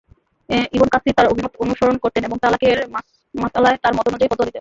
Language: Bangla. ইবন কাসীর তার অভিমত অনুসরণ করতেন এবং তালাকের মাসআলায় তার মতানুযায়ী ফতোয়া দিতেন।